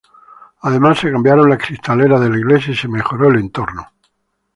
Además, se cambiaron las cristaleras de la iglesia y se mejoró el entorno.